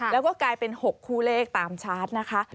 แล้วก็กลายเป็น๖คู่เลขตามชาร์จนะคะ